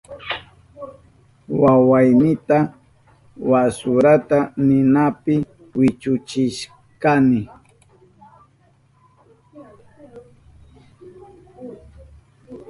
Wawaynita wasurata ninapi wichuchishkani.